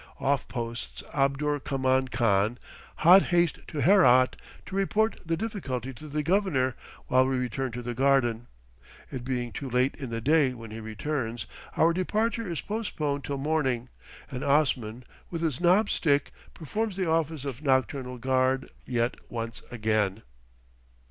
Off posts Abdur Kahman Khan, hot haste to Herat, to report the difficulty to the Governor, while we return to the garden. It being too late in the day when he returns, our departure is postponed till morning, and Osman, with his knobbed stick, performs the office of nocturnal guard yet once again.